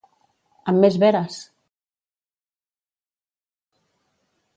Amb més veres!